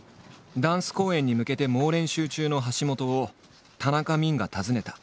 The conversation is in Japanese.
ダンス公演に向けて猛練習中の橋本を田中泯が訪ねた。